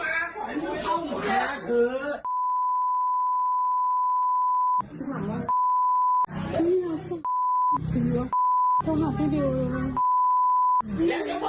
นี่เหรอตายอยู่โอ้ต้องหาพี่เดียวเลยไง